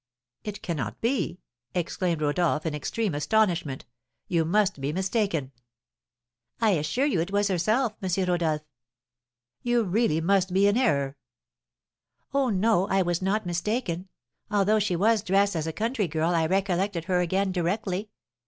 "It cannot be," exclaimed Rodolph, in extreme astonishment; "you must be mistaken." "I assure you it was herself, M. Rodolph." "You really must be in error." "Oh, no, I was not mistaken; although she was dressed as a country girl I recollected her again directly.